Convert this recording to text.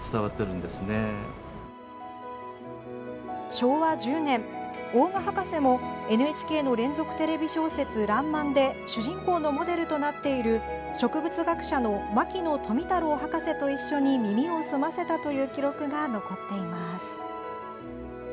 昭和１０年、大賀博士もＮＨＫの連続テレビ小説「らんまん」で主人公のモデルとなっている植物学者の牧野富太郎博士と一緒に耳をすませたという記録が残っています。